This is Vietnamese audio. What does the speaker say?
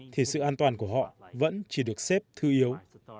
thì sự an toàn của họ vẫn chỉ được xếp thứ yếu